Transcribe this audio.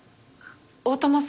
大友さん